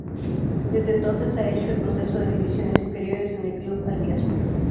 Desde entonces ha hecho el proceso de divisiones inferiores en el club albiazul.